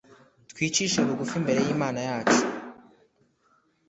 Twicishe bugufi imbere y Imana yacu.